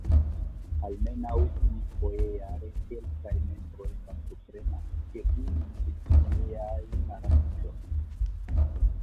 Almenaŭ unufoje jare kelkaj membroj partoprenas ĉe unu el tieaj aranĝoj.